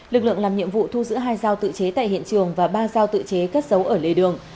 lực lượng làm nhiệm vụ thu giữ hai dao tự chế tại hiện trường và ba dao tự chế cất giấu ở lề đường